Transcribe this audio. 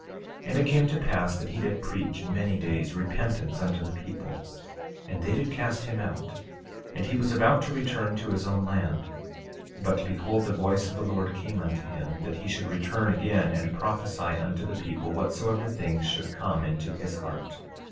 And it came to pass that he did preach, many days, repentance unto the people, and they did cast him out, and he was about to return to his own land. 13:3 But behold, the voice of the Lord came unto him, that he should return again, and prophesy unto the people whatsoever things should come into his heart.